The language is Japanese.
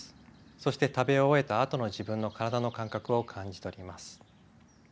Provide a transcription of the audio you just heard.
そして食べ終えたあとの自分の体の感覚を感じ取ります。